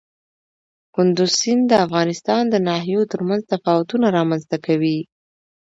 کندز سیند د افغانستان د ناحیو ترمنځ تفاوتونه رامنځ ته کوي.